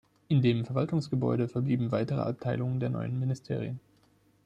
In dem Verwaltungsgebäude verblieben weitere Abteilungen der neuen Ministerien.